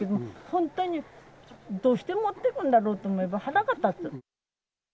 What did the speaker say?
本当に、どうして持ってくんだろうと思えば、腹が立つ。